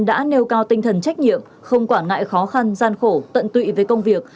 đã nêu cao tinh thần trách nhiệm không quản ngại khó khăn gian khổ tận tụy với công việc